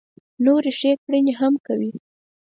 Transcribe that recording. نورې ښې کړنې هم کوي.